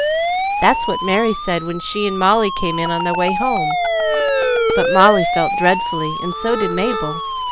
"That's what Merry said when she and Molly came in on their way home. But Molly felt dreadfully, and so did Mabel.